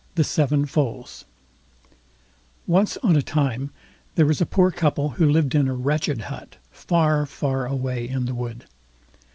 THE SEVEN FOALS Once on a time there was a poor couple who lived in a wretched hut, far far away in the wood.